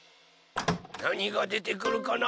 なにがでてくるかな？